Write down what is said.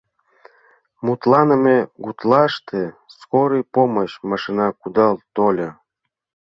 Мутланыме гутлаште «скорый помощь» машина кудал тольо.